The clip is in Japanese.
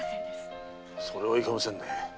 それはいけませんね。